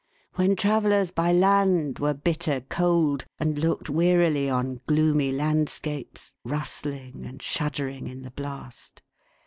When travellers by land were bitter cold, and looked wearily on gloomy landscapes, rustling and shuddering in the blast.